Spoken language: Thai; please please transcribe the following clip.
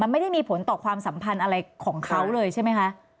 ไม่ได้มีผลต่อความสัมพันธ์อะไรของเขาเลยใช่ไหมคะ